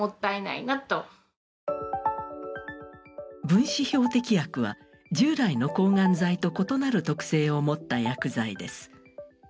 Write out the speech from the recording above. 分子標的薬は従来の抗がん剤と異なる特性を持った薬剤です。